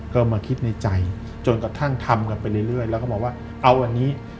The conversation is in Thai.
ก็มาคิดในใจจนกระทั่งทำกันไปเรื่อยแล้วก็บอกว่าเอาอย่างนี้